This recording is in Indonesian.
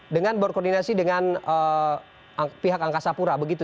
dengan berkoordinasi dengan pihak angkasa pura begitu